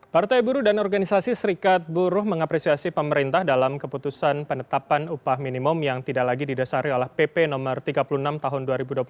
partai buruh dan organisasi serikat buruh mengapresiasi pemerintah dalam keputusan penetapan upah minimum yang tidak lagi didasari oleh pp no tiga puluh enam tahun dua ribu dua puluh satu